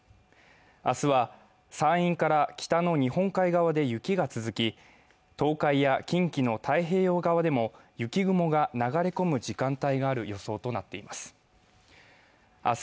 明日は山陰から北の日本海側で雪が続き東海や近畿の太平洋側でも雪雲が流れ込む時間帯がある予想となっています。